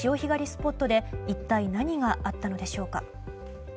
スポットで一体何があったのでしょうか。